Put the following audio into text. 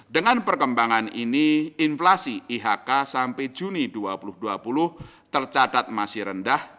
dengan perkembangan ini inflasi ihk sampai juni dua ribu dua puluh tercatat masih rendah